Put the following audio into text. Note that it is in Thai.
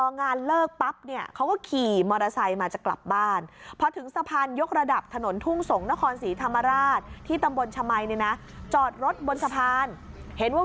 งานเลิกปั๊บเนี่ยเขาก็ขี่มอเตอร์ไซค์มาจะกลับบ้านพอถึงสะพานยกระดับถนนทุ่งสงศ์นครศรีธรรมราชที่ตำบลชมัยเนี่ยนะจอดรถบนสะพานเห็นว่า